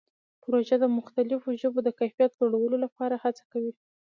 پروژه د مختلفو ژبو د کیفیت لوړولو لپاره هڅه کوي.